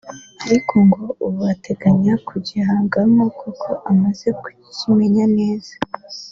ariko ngo ubu ateganya kugihangamo kuko amaze kukimenya neza